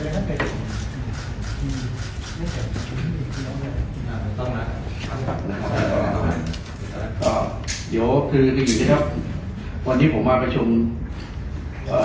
ก็เดี๋ยวคือวันนี้ผมมาไปชมเอ่อ